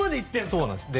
そうなんです。